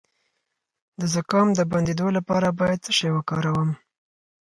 د زکام د بندیدو لپاره باید څه شی وکاروم؟